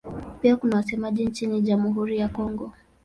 Pia kuna wasemaji nchini Jamhuri ya Kongo.